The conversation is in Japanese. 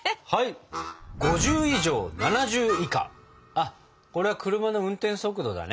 あこれは車の運転速度だね？